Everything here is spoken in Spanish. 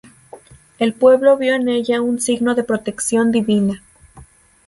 El pueblo vio en ella un signo de protección divina.